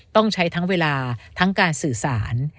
ต้องใช้ทั้งเวลาทั้งการสื่อสาร